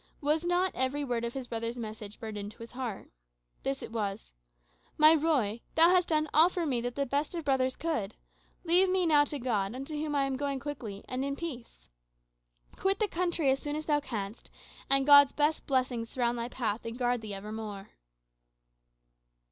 Was not every word of his brother's message burned into his heart? This it was: "My Ruy, thou hast done all for me that the best of brothers could. Leave me now to God, unto whom I am going quickly, and in peace. Quit the country as soon as thou canst; and God's best blessings surround thy path and guard thee evermore."